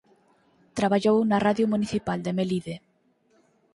Traballou na radio municipal de Melide.